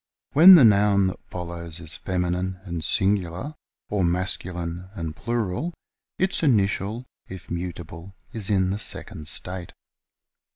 When the noun that follows is feminine and singular, or masculine and plural, its initial, if mutable, is in the second state.